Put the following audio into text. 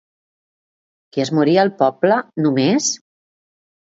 Qui es moria al poble, només?